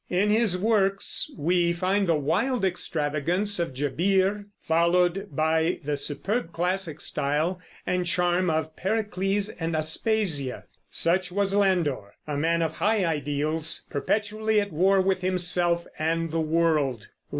In his works we find the wild extravagance of Gebir, followed by the superb classic style and charm of Pericles and Aspasia. Such was Landor, a man of high ideals, perpetually at war with himself and the world.